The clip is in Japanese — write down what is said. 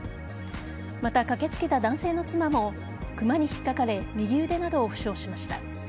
また、駆け付けた男性の妻もクマに引っかかれ右腕などを負傷しました。